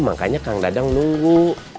makanya kang dadang nunggu